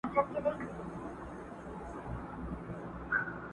o بلا پر بلا واوښته، بلا بوڅ کوني را واوښته٫